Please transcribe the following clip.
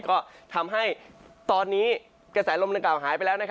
ก็ทำให้ตอนนี้กระแสลมดังกล่าวหายไปแล้ว